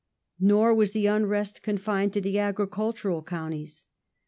Nor was the unrest con fined to the agricultural counties.